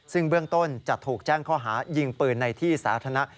ซึ่งเบื้องต้นจะถูกแจ้งข้อหายิงปืนในที่สาธารณะ